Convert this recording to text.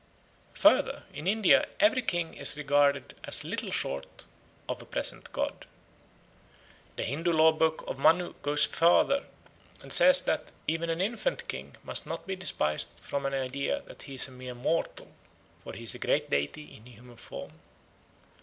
Further, in India "every king is regarded as little short of a present god." The Hindoo law book of Manu goes farther and says that "even an infant king must not be despised from an idea that he is a mere mortal; for he is a great deity in human form."